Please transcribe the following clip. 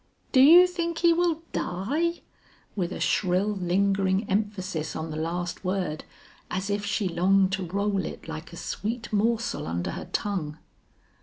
"Do you think he will die?" with a shrill lingering emphasis on the last word as if she longed to roll it like a sweet morsel under her tongue.